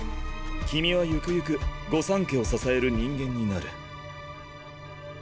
君はゆくゆく御三家を支える人間になる。